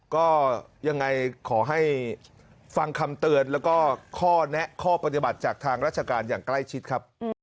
ก็ยังไงขอให้ฟังคำเตือนแล้วก็ข้อแนะข้อปฏิบัติจากทางราชการอย่างใกล้ชิดครับ